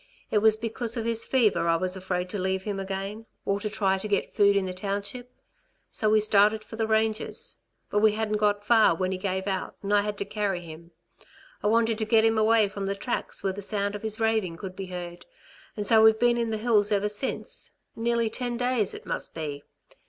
It was because of his fever I was afraid to leave him again, or to try to get food in the township. So we started for the ranges. But we hadn't gone far when he gave out and I had to carry him. I wanted to get him away from the tracks where the sound of his raving could be heard, and so we've been in the hills ever since nearly ten days it must be.